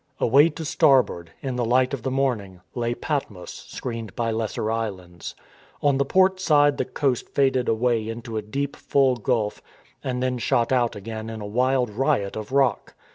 Away to starboard, in the light of the morning, lay Patmos screened by lesser islands. On the port side the coast faded away into a deep full gulf and then 282 STORM AND STRESS shot out again in a wild riot of rock.